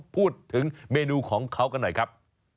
พูดถึงเมนูของเขากันหน่อยครับ